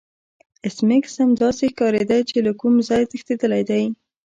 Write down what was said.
ایس میکس هم داسې ښکاریده چې له کوم ځای تښتیدلی دی